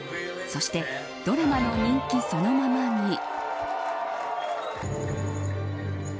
そして、ドラマの人気そのままに。